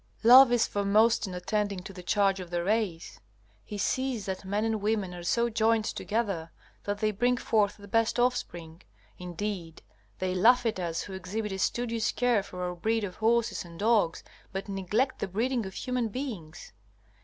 Love is foremost in attending to the charge of the race. He sees that men and women are so joined together, that they bring forth the best offspring. Indeed, they laugh at us who exhibit a studious care for our breed of horses and dogs, but neglect the breeding of human beings.